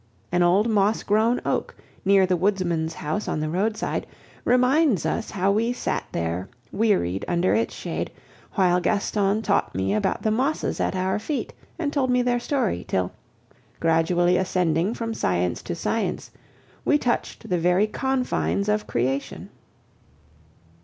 An old moss grown oak, near the woodsman's house on the roadside, reminds us how we sat there, wearied, under its shade, while Gaston taught me about the mosses at our feet and told me their story, till, gradually ascending from science to science, we touched the very confines of creation.